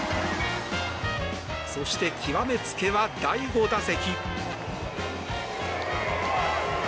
そして、極め付きは第５打席。